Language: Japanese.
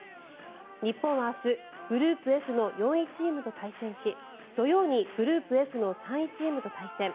日本は明日グループＦの４位チームと対戦し土曜にグループＦの３位チームと対戦。